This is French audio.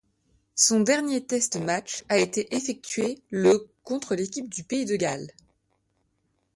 Son dernier test match a été effectué le contre l'équipe du Pays de Galles.